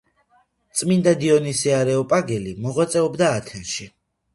წმიდა დიონისე არეოპაგელი მოღვაწეობდა ათენში.